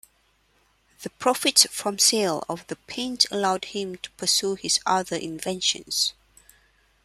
The profits from sale of the paint allowed him to pursue his other inventions.